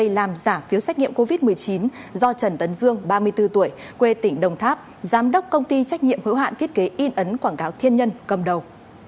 làm giả phiếu xét nghiệm covid một mươi chín do trần tấn dương ba mươi bốn tuổi quê tỉnh đồng tháp giám đốc công ty trách nhiệm hữu hạn thiết kế in ấn quảng cáo thiên nhân cầm đầu